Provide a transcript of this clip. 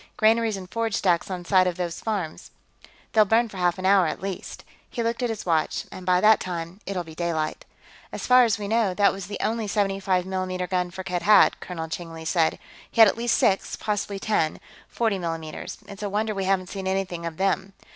"Granaries and forage stacks on some of these farms. They'll burn for half an hour, at least." He looked at his watch. "And by that time, it'll be daylight." "As far as we know, that was the only 75 mm gun Firkked had," Colonel Cheng Li said. "He has at least six, possibly ten, 40 mm's. It's a wonder we haven't seen anything of them."